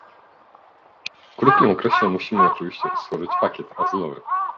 W krótkim okresie musimy oczywiście stworzyć pakiet azylowy